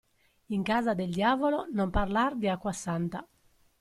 In casa del diavolo non parlar di acqua santa.